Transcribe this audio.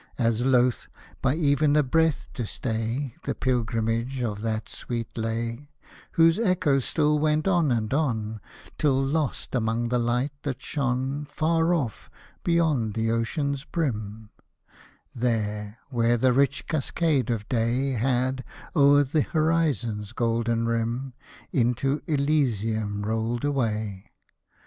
As loth, by ev'n a breath, to stay The pilgrimage of that sweet lay ; Whose echoes still went on and on, Till lost among the light that shone Far off, beyond the ocean's brim — There, where the rich cascade of day Had, o'er th' horizon's golden rim, Into Elysium rolled away